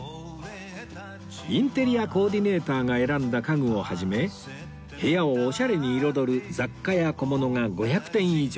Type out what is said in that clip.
インテリアコーディネーターが選んだ家具を始め部屋をオシャレに彩る雑貨や小物が５００点以上